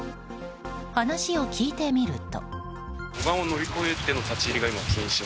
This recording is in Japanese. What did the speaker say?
話を聞いてみると。